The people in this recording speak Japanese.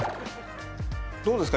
どうですか？